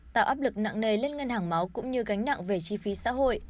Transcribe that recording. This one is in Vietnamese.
tạo áp lực nặng nề lên ngân hàng máu cũng như gánh nặng về chi phí xã hội